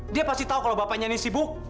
dia pasti tahu kalau bapaknya ini sibuk